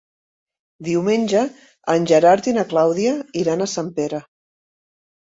Diumenge en Gerard i na Clàudia iran a Sempere.